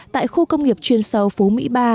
tại khu công nghiệp chuyên sâu phú mỹ ba